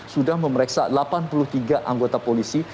sudah memeriksa delapan puluh tiga anggota polisi